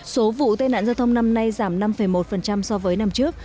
số vụ tai nạn giao thông năm nay giảm năm một so với năm trước